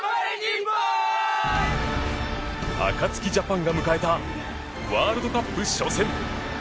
アカツキジャパンが迎えたワールドカップ初戦。